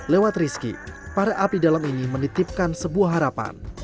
lewat rizki para abdi dalam ini menitipkan sebuah harapan